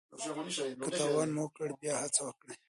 که تاوان مو وکړ بیا هڅه وکړئ.